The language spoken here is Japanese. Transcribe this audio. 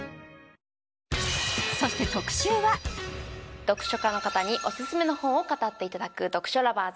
そして特集は読書家の方におすすめの本を語っていただく読書ＬＯＶＥＲＳ